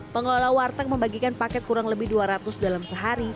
pengelola warteg membagikan paket kurang lebih dua ratus dalam sehari